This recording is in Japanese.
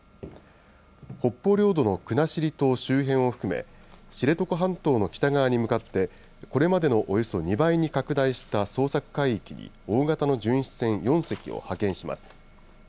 北方領土の国後島周辺を含め、知床半島の北側に向かってこれまでのおよそ２倍に拡大した捜索海域に、大型の巡視船４隻を派遣します。